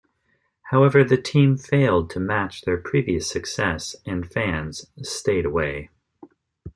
However, the team failed to match their previous success and fans stayed away.